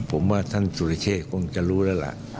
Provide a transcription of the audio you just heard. ผมว่าท่านสุรเชษคงจะรู้แล้วล่ะ